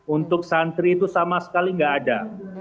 untuk santri itu sama sekali nggak ada